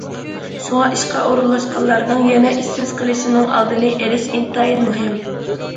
شۇڭا ئىشقا ئورۇنلاشقانلارنىڭ يەنە ئىشسىز قېلىشىنىڭ ئالدىنى ئېلىش ئىنتايىن مۇھىم.